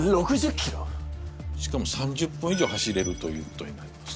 しかも３０分以上走れるということになりますね。